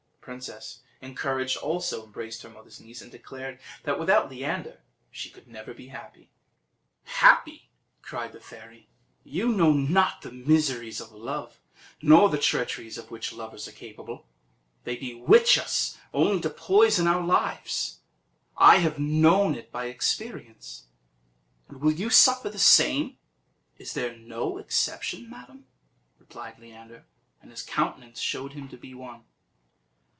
The princess, encouraged, also embraced her mother's knees, and declared that without Leander she should never be happy. "Happy!" cried the fairy, "you know not the miseries of love, nor the treacheries of which lovers are capable. They bewitch us only to poison our lives; I have known it by experience; and will you suffer the same?" "Is there no exception, madam?" replied Leander, and his countenance showed him to be one.